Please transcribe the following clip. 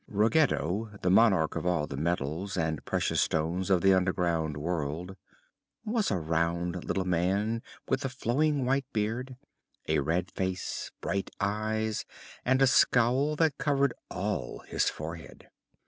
Ruggedo, the Monarch of all the Metals and Precious Stones of the Underground World, was a round little man with a flowing white beard, a red face, bright eyes and a scowl that covered all his forehead.